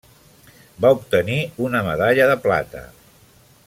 Va obtenir una medalla de plata.